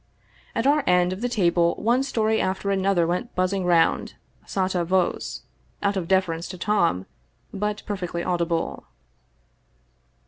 At our end of the table one story after another went buzzing round — sotto voce, out of deference to Tom — ^but perfectly audible.